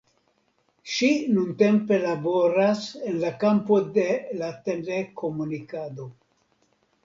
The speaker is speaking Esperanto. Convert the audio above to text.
Ŝi nuntempe laboras en la kampo de la telekomunikado.